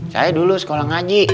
saya dulu sekolah ngaji